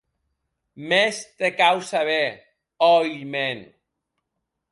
Mès te cau saber, ò hilh mèn!